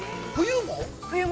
冬も？